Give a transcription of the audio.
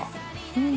うん。